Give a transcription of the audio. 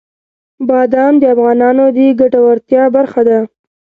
بادام د افغانانو د ګټورتیا برخه ده.